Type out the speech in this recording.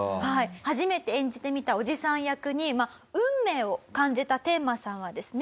初めて演じてみたおじさん役に運命を感じたテンマさんはですね